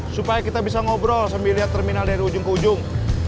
supaya kita bisa ngobrol sambil lihat terminal dari ujung ke ujung